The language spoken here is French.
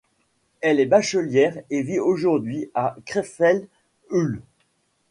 Elle est bachelière et vit aujourd'hui à Krefeld-Hüls.